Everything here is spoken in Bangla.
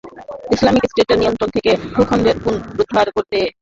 ইসলামিক স্টেটের নিয়ন্ত্রণ থেকে ভূখণ্ড পুনরুদ্ধার করতে হলে স্থলবাহিনীর প্রয়োজন পড়বে।